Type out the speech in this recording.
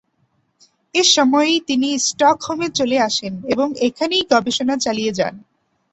এ সময়ই তিনি স্টকহোমে চলে আসেন এবং এখানেই গবেষণা চালিয়ে যান।